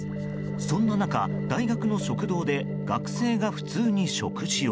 そんな中、大学の食堂で学生が普通に食事を。